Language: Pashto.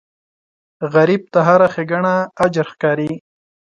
غریب ته هره ښېګڼه اجر ښکاري